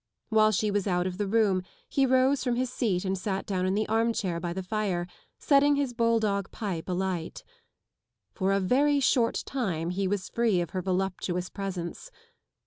While she was out of the room he rose from his seat and sat down in the armchair by the fire, setting his bulldog pipe alight. For a very short time he was free of her voluptuous presence.